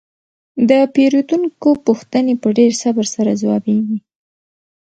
د پیرودونکو پوښتنې په ډیر صبر سره ځوابیږي.